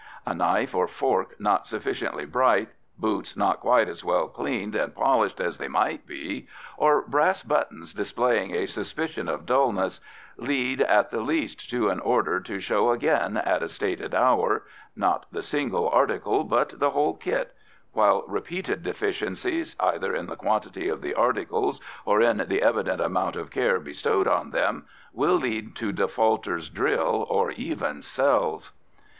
A knife or fork not sufficiently bright, boots not quite as well cleaned and polished as they might be, or brass buttons displaying a suspicion of dullness, lead at the least to an order to show again at a stated hour not the single article, but the whole kit while repeated deficiencies, either in the quantity of the articles or in the evident amount of care bestowed on them, will lead to defaulters' drill or even cells.